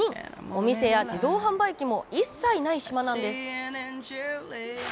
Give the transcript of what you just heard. お店や自動販売機も一切ない島なんです。